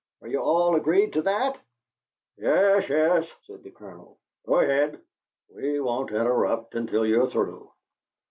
Are you all agreed to that?" "Yes, yes," said the Colonel. "Go ahead. We won't interrupt until you're through."